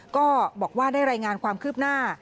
ก็บอกว่าได้รายงานความคืบหน้า